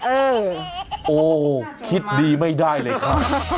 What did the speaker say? เออโอ้คิดดีไม่ได้เลยค่ะ